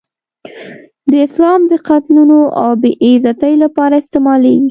دا اسلام د قتلونو او بې عزتۍ لپاره استعمالېږي.